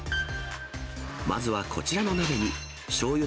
まずはこちらの鍋にしょうゆ